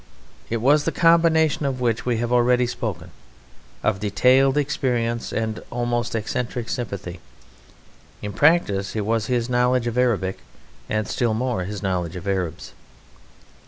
It was the combination, of which we have already spoken, of detailed experience and almost eccentric sympathy. In practice it was his knowledge of Arabic, and still more his knowledge of Arabs.